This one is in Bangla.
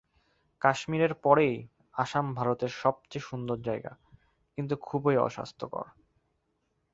কাশ্মীরের পরেই আসাম ভারতের সবচেয়ে সুন্দর জায়গা, কিন্তু খুবই অস্বাস্থ্যকর।